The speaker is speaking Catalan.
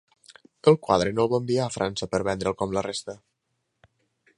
El quadre no el va enviar a França per vendre'l com la resta.